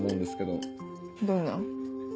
どんな？